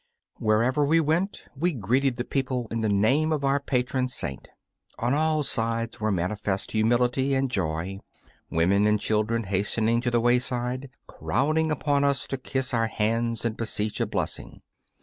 Wherever we went we greeted the people in the name of our patron Saint. On all sides were manifest humility and joy: women and children hastened to the wayside, crowding about us to kiss our hands and beseech a blessing.